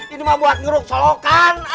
ini mah buat ngeruk solokan